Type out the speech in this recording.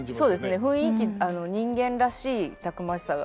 雰囲気人間らしいたくましさが。